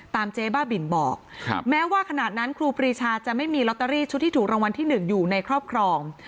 เจ๊บ้าบินบอกแม้ว่าขณะนั้นครูปรีชาจะไม่มีลอตเตอรี่ชุดที่ถูกรางวัลที่๑อยู่ในครอบครอง